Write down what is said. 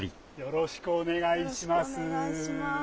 よろしくお願いします。